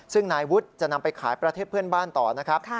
ซึ่งนายวุฒิจะนำไปขายประเทศเพื่อนบ้านต่อนะครับ